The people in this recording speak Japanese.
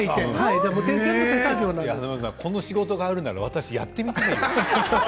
待つ、この仕事があるなら、私やってみたい。